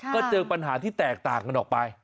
ก็เจอปัญหาที่แตกต่างกันออกไป